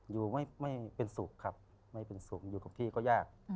อยู่ไม่เป็นสุขครับไม่เป็นสุขอยู่กับที่ก็ยาก